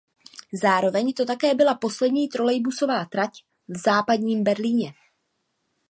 Zároveň to také byla poslední trolejbusová trať v Západním Berlíně.